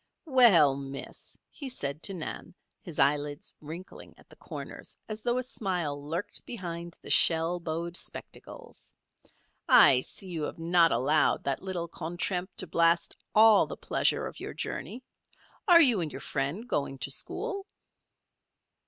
"Well, Miss," he said to Nan, his eyelids wrinkling at the corners as though a smile lurked behind the shell bowed spectacles, "I see you have not allowed that little contretemps to blast all the pleasure of your journey. Are you and your friend going to school?"